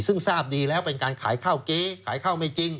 ซึ่งทราบดีแล้วเป็นการขายข้าวเก๊ขายข้าวไม่จริง